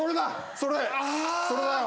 それだわ。